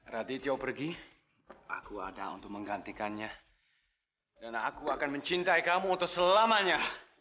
radityo pergi aku ada untuk menggantikannya dan aku akan mencintai kamu untuk selamanya